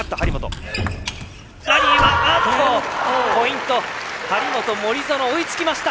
ポイント、張本、森薗追いつきました！